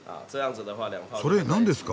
それ何ですか？